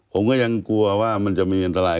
ผมก็ยังกลัวว่ามันจะมีอันตราย